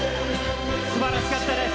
すばらしかったです。